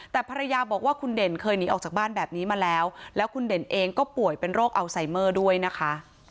แต่ภรรยาบอกว่าคุณเด่นเคยหนีออกจากบ้านแบบนี้มาแล้วแล้วคุณเด่นเองก็ป่วยเป็นโรคอัลไซเมอร์ด้วยนะคะ